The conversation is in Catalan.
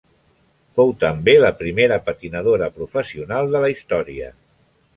Fou també la primera patinadora professional de la història.